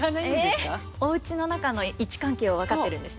おうちの中の位置関係は分かってるんですね。